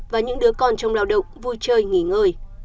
và những đứa con trong lao động vui chơi nghỉ ngơi